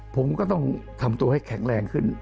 ผมก็ต้องทำตัวให้แข็งแรงขึ้น